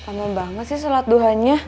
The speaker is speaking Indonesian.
kak lama banget sih sholat duhanya